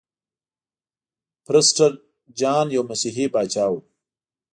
پرسټر جان یو مسیحي پاچا و.